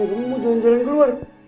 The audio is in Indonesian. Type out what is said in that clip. kamu mau jalan jalan keluar